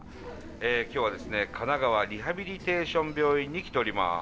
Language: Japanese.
今日は神奈川リハビリテーション病院に来ております。